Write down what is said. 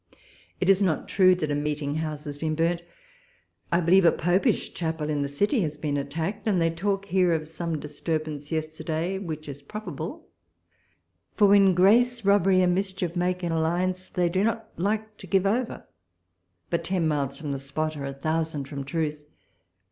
It is not true that a meeting house has been burnt. I believe a Popish chapel in the city has been attacked : and they talk here of some disturbance yesterday, which is probable ; for, when, grace, robbery, and mischief make an alliance, they do not like to give over: — but ten miles from the spot are a thousand from truth.